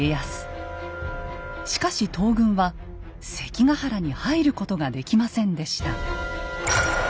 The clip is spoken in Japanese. しかし東軍は関ヶ原に入ることができませんでした。